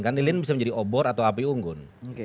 kan lilin bisa menjadi obor atau api unggun